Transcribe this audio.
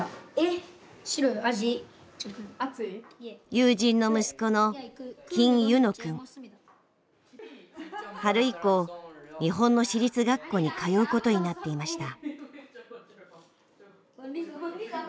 友人の息子の春以降日本の私立学校に通うことになっていました。